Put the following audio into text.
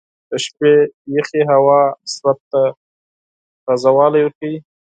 • د شپې یخې هوا بدن ته تازهوالی ورکوي.